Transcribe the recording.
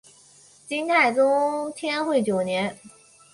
金太宗天会九年。